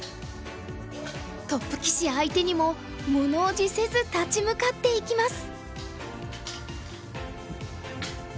トップ棋士相手にも物おじせず立ち向かっていきます。